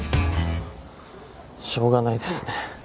しょうがないですね。